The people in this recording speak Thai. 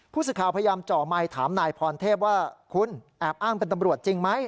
ผู้สื่อข่าวพยายามเจาะไมค์ถามนายพรเทพว่าคุณแอบอ้างเป็นตำรวจจริงไหม